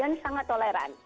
dan sangat toleran